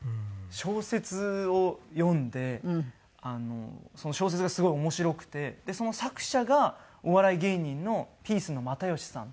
小説を読んでその小説がすごい面白くてその作者がお笑い芸人のピースの又吉さんっていう。